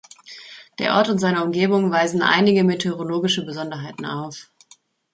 Der Ort und seine Umgebung weisen einige meteorologische Besonderheiten auf.